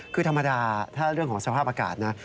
คือธรรมดาถ้าเรื่องของสภาพอากาศนะ